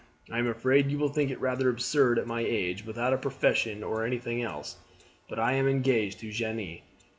I am afraid you will think it rather absurd at my age, without a profession or anything else, but I am engaged to Jeanne.